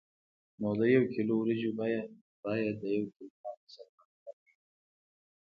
نو د یو کیلو وریجو بیه باید د یو کیلو مالګې سره برابره وي.